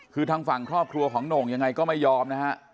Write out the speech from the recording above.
คือทางฝั่งครอบครัวของโหน่งยังไงก็ไม่ยอมนะฮะ